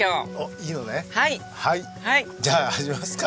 じゃあ始めますか。